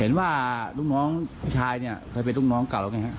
เห็นว่าลูกน้องพี่ชายเนี้ยเคยเป็นลูกน้องเก่าไงครับ